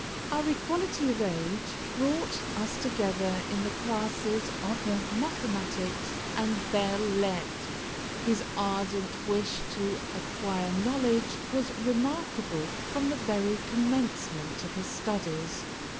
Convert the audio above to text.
Our equality of age brought us together in the classes of the mathematics and 'belles lettres'. His ardent wish to acquire knowledge was remarkable from the very commencement of his studies.